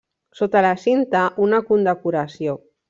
Sota la cinta una condecoració.